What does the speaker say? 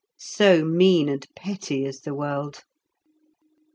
So mean and petty is the world!